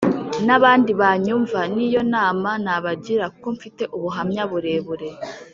Nabandi banyumva niyo nama nabagira kuko mfite ubuhamya burebure